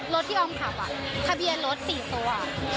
รถที่ออมขับทะเบียนรถ๔ตัว